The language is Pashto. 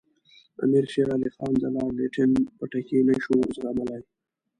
امیر شېر علي خان د لارډ لیټن پټکې نه شو زغملای.